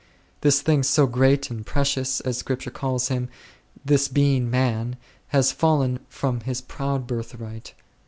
This thing so great and precious 9, as the Scripture calls him, this being man, has fallen from his proud birthright.